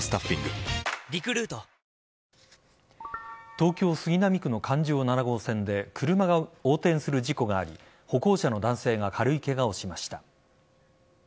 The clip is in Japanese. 東京・杉並区の環状７号線で車が横転する事故があり歩行者の男性が軽いケガをしました。